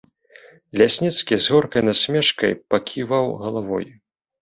Лясніцкі з горкай насмешкай паківаў галавой.